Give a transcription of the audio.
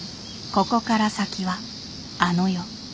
「ここから先はあの世」。